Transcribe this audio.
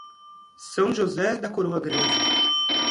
São José da Coroa Grande